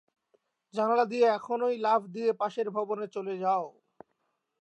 জানালা দিয়ে এখনই লাফ দিয়ে পাশের ভবনে চলে যাও।